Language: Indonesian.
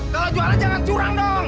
kalau jualan jangan curang dong